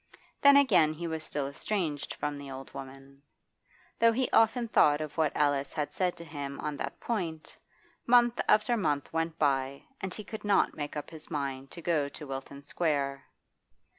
Then again he was still estranged from the old woman. Though he often thought of what Alice had said to him on that point, month after month went by and he could not make up his mind to go to Wilton Square.